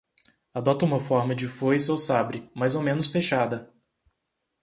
Adota uma forma de foice ou sabre, mais ou menos fechada.